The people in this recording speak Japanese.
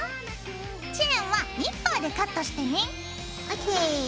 チェーンはニッパーでカットしてねＯＫ。